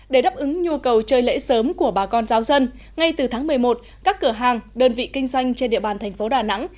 để đáp ứng nhu cầu chơi lễ sớm của bà con giáo dân ngay từ tháng một mươi một các cửa hàng đơn vị kinh doanh trên địa bàn thành phố đà nẵng